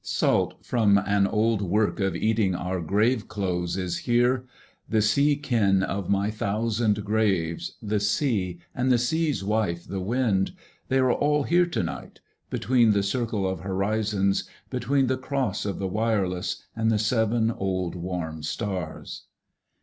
Salt from an old work of eating our graveclothes is here. The sea kin of my thousand graves. The sea and the sea's wife, the wind, They are all here to night between the circle of horizons, between the cross of the wireless and the seven old warm stars.